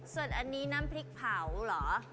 ส่วนอันนี้น้ำพริกเผาเหรอ